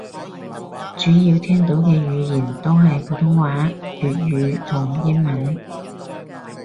主要聽到嘅語言都係普通話粵語同英文